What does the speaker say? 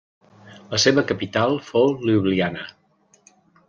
La seva capital fou Ljubljana.